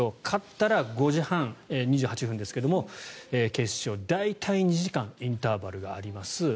勝ったら５時半２８分ですけども、決勝大体２時間インターバルがあります。